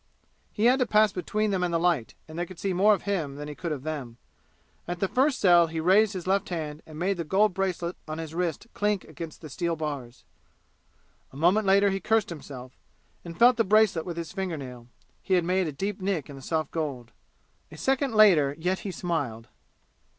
He had to pass between them and the light, and they could see more of him than he could of them. At the first cell he raised his left hand and made the gold bracelet on his wrist clink against the steel bars. A moment later be cursed himself, and felt the bracelet with his fingernail. He had made a deep nick in the soft gold. A second later yet he smiled.